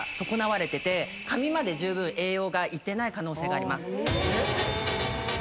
髪までじゅうぶん栄養が行ってない可能性があります。